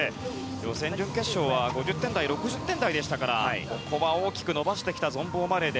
予選、準決勝は５０点台、６０点台でしたからここは大きく伸ばしてきたゾンボーマレー。